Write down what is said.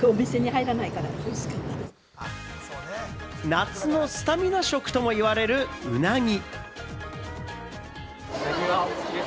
夏のスタミナ食とも言われるウナギ。